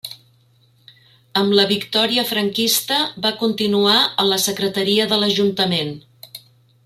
Amb la victòria franquista va continuar a la secretaria de l’Ajuntament.